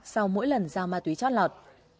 sau mỗi lần giao ma túy trót lọt